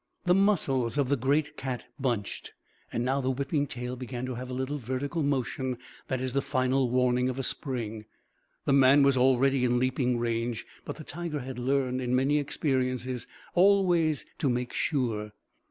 The muscles of the great cat bunched, and now the whipping tail began to have a little vertical motion that is the final warning of a spring. The man was already in leaping range; but the tiger had learned, in many experiences, always to make sure.